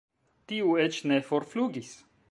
Tiu eĉ ne forflugis.